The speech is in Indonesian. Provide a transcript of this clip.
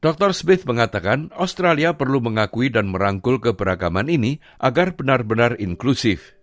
dr smith mengatakan australia perlu mengakui dan merangkul keberagaman ini agar benar benar inklusif